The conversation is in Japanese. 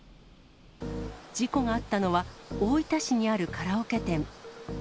事故があったのは、大分市にあるカラオケ店。